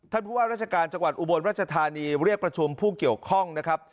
ผู้ว่าราชการจังหวัดอุบลรัชธานีเรียกประชุมผู้เกี่ยวข้องนะครับ